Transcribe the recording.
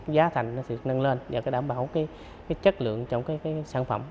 giá thành nâng lên và đảm bảo chất lượng trong sản phẩm